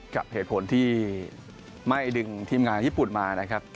กับเหตุผลที่ไม่ดึงทีมงานญี่ปุ่นมานะครับ